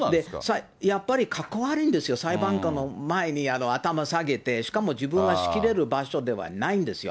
やっぱりかっこ悪いんですよ、裁判官の前に頭下げて、しかも自分が仕切れる場所ではないんですよ。